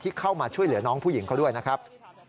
เข้ามาช่วยเหลือน้องผู้หญิงเขาด้วยนะครับ